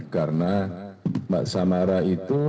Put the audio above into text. karena mbak samara itu